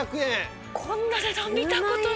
こんな値段見た事ない。